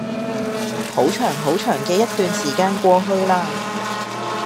好長好長嘅一段時間過去嘞